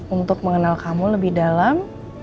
untuk mengenal kamu lebih dalam